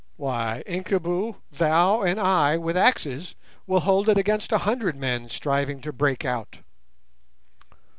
Why, Incubu, thou and I with axes will hold it against an hundred men striving to break out!